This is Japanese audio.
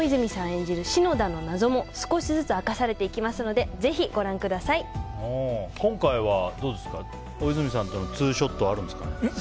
演じる篠田の謎も少しずつ明かされていきますので今回はどうですか大泉さんとのツーショットはあるんですかね？